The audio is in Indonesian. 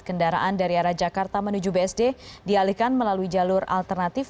kendaraan dari arah jakarta menuju bsd dialihkan melalui jalur alternatif